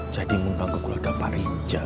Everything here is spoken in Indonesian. jadi membangun gulagak pak rijal